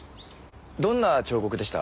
どんな彫刻でした？